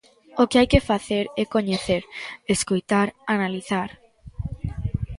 O que hai que facer é coñecer, escoitar, analizar.